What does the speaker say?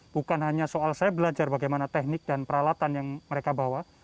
bukan hanya soal saya belajar bagaimana teknik dan peralatan yang mereka bawa